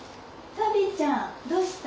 サビちゃんどうしたん？